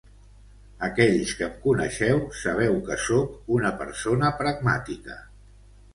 Aquells que em coneixeu sabeu que sóc una persona pragmàtica.